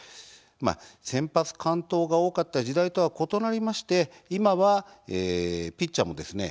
先発完投が多かった時代とは異なりまして今はピッチャーもですね